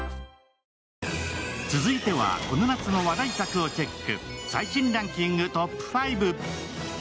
続いてはこの夏の話題作をチェック。